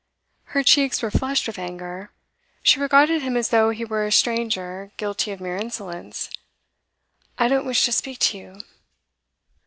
Her cheeks were flushed with anger; she regarded him as though he were a stranger guilty of mere insolence. 'I don't wish to speak to you.